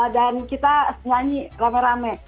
dan kita nyanyi rame rame